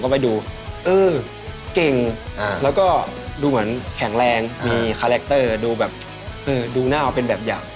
ก็ดูเหมือนแข็งแรงมีคาแรคเตอร์ดูแบบดูหน้าเอาเป็นแบบอย่าง